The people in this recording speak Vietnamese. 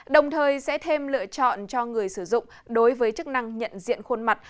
đồng thời sẽ thêm lựa chọn cho người sử dụng đối với chức năng nhận diện khuôn mặt